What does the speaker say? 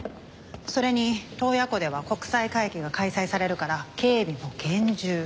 それに洞爺湖では国際会議が開催されるから警備も厳重。